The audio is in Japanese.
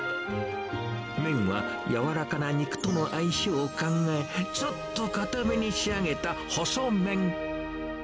麺は柔らかな肉との相性を考え、ちょっと硬めに仕上げた細麺。